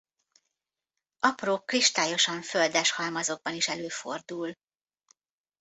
Apró kristályosan földes halmazokban is előfordul.